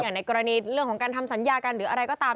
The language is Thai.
ในกรณีเรื่องของการทำสัญญากันหรืออะไรก็ตาม